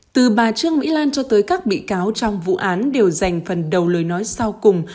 từ bà trương mỹ lan cho tới các bị cáo trong vụ án đều dành phần đầu lời nói sau cùng